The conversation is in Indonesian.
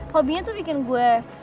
hobinya tuh bikin gue